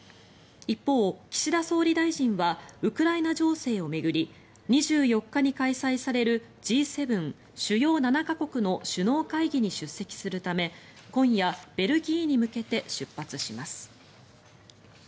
一方、岸田総理大臣はウクライナ情勢を巡り２４日に開催されるＧ７・主要７か国の首脳会議に出席するため今夜、ベルギーに向けて出発します。